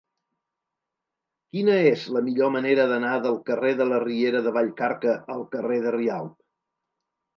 Quina és la millor manera d'anar del carrer de la Riera de Vallcarca al carrer de Rialb?